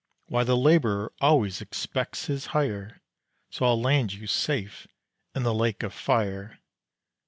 Why, the laborer always expects his hire, So I'll land you safe in the lake of fire.